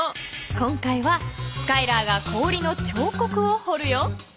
今回はスカイラーが氷のちょうこくをほるよ。